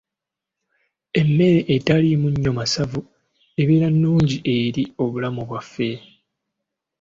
Emmere etaliimu nnyo masavu ebeera nnungi eri obulamu bwaffe.